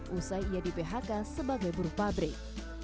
usai ia di phk sebagai buruh pabrik